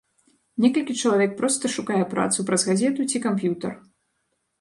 Некалькі чалавек проста шукае працу праз газету ці камп'ютар.